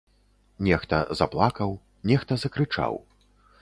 Нехта заплакаў, нехта закрычаў.